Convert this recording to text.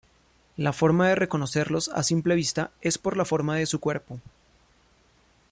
La forma de reconocerlos a simple vista es por la forma de su cuerpo.